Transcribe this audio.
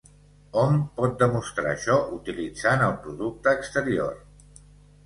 Hom pot demostrar això utilitzant el producte exterior.